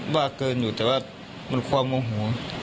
บ้านเผินอยู่นะแต่มันความโอ้โห